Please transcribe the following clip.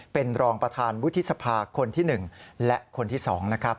เป็นรองประธานวุฒิสภาคนที่๑และคนที่๒นะครับ